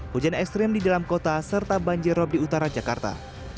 hujan ekstrim di dalam kota serta banjir rob di utara jakarta